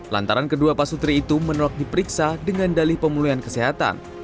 lantaran kedua pasutri itu menolak diperiksa dengan dalih pemulihan kesehatan